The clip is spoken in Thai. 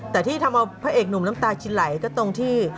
แต่ที่ทำเอาพระเอกหนุ่มน้ำตากินไหลก็ตรงที่